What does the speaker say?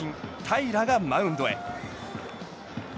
平良がマウンドへ。